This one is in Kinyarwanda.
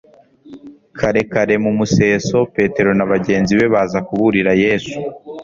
Kare kare, mu museso, Petero na bagenzi be baza kuburira Yesu